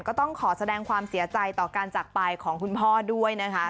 ก็ต้องขอแสดงความเสียใจต่อการจักรไปของคุณพ่อด้วยนะคะ